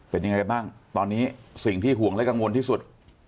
เป็นยังไงกันบ้างตอนนี้สิ่งที่ห่วงและกังวลที่สุด